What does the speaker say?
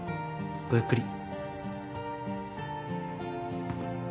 ごゆっくり。